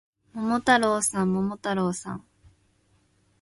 桃太郎さん、桃太郎さん